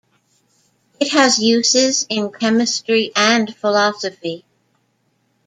It has uses in chemistry and philosophy.